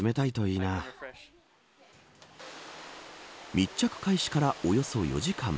密着開始からおよそ４時間。